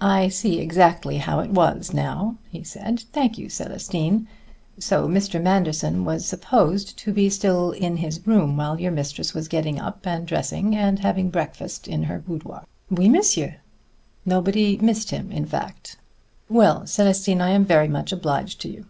"I see exactly how it was now," he said. "Thank you, Célestine. So Mr. Manderson was supposed to be still in his room while your mistress was getting up, and dressing, and having breakfast in her boudoir." "Oui, monsieur." "Nobody missed him, in fact," remarked Trent. "Well, Célestine, I am very much obliged to you."